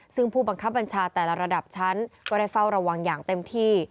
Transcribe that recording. ซึ่งผู้บังคับบัญชาแต่ละระดับชั้นก็ได้เฝ้าระวังอย่างเต็มที่